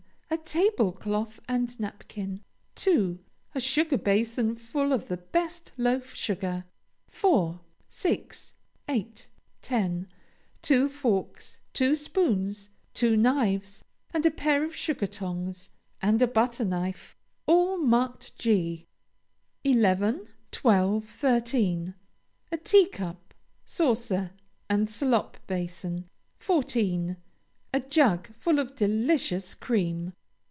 A tablecloth and napkin. 2. A sugar basin full of the best loaf sugar. 4, 6, 8, 10. Two forks, two teaspoons, two knives, and a pair of sugar tongs, and a butterknife, all marked G. 11, 12, 13. A teacup, saucer, and slop basin. 14. A jug full of delicious cream.